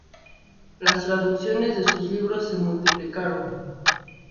Las traducciones de sus libros se multiplicaron.